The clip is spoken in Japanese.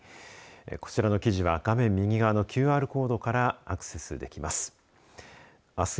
こちらの記事は画面右側のＱＲコードからアクセスできます。